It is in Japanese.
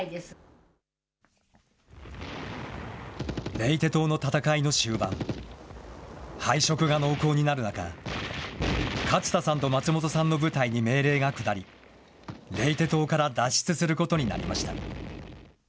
レイテ島の戦いの終盤、敗色が濃厚になる中、勝田さんと松本さんの部隊に命令が下り、レイテ島から脱出することになりました。